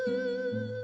kepala kota kepala